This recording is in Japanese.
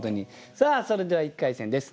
さあそれでは１回戦です。